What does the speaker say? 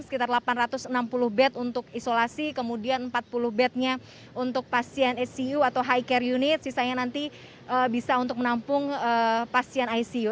sekitar delapan ratus enam puluh bed untuk isolasi kemudian empat puluh bednya untuk pasien icu atau high care unit sisanya nanti bisa untuk menampung pasien icu